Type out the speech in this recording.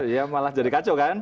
ya malah jadi kacau kan